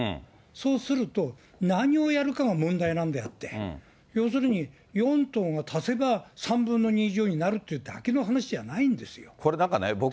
そうすると、何をやるかが問題なんであって、要するに４党が足せば３分の２以上になるっていう話なだけじゃなこれなんかね。